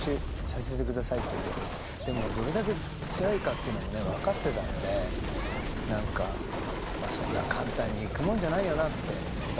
でもどれだけつらいかっていうのもね分かってたんで何かそんな簡単にいくもんじゃないよなってお互いに思って。